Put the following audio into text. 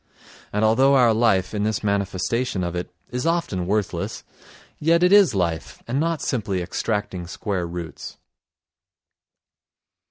And although our life, in this manifestation of it, is often worthless, yet it is life and not simply extracting square roots.